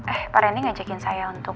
eh pak reni ngajakin saya untuk